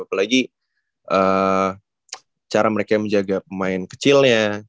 apalagi cara mereka yang menjaga pemain kecilnya